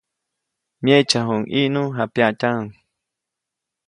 Myeʼtsaʼuŋ ʼIʼnu, japyaʼtyaʼuŋ.